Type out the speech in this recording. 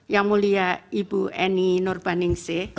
yang mulia ibu eni nurbaningsi